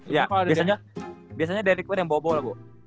iya biasanya derek white yang bawa bola bo